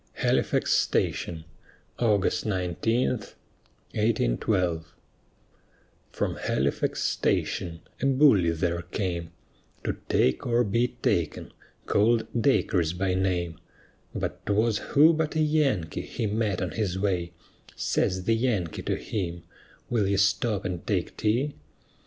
HALIFAX STATION [August 19, 1812] From Halifax station a bully there came, To take or be taken, call'd Dacres by name: But 'twas who but a Yankee he met on his way Says the Yankee to him, "Will you stop and take tea?"